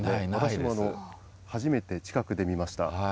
私も初めて近くで見ました。